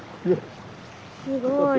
すごい。